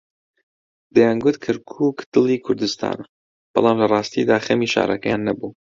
دەیانگوت کەرکووک دڵی کوردستانە، بەڵام لەڕاستیدا خەمی شارەکەیان نەبوو.